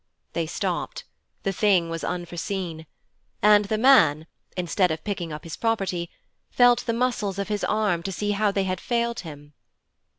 They stopped the thing was unforeseen and the man, instead of picking up his property, felt the muscles of his arm to see how they had failed him.